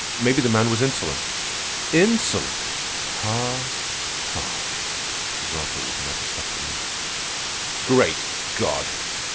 Maybe the man was insolent." "Insolent! Ha! ha!" His laughter was Mephistophelian. "Great God!